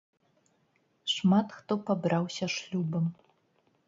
Шмат хто пабраўся шлюбам.